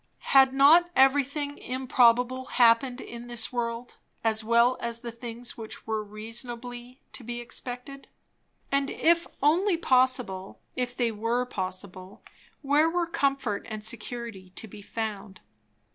Had not everything improbable happened in this world, as well as the things which were reasonably to be expected? And if only possible, if they were possible, where were comfort and security to be found?